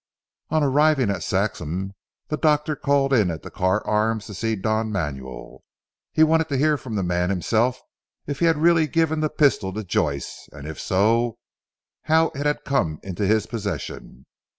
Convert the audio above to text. On arriving at Saxham, the doctor called in at the Carr Arms to see Don Manuel. He wanted to hear from the man himself if he had really given the pistol to Joyce, and if so how it had come into his possession.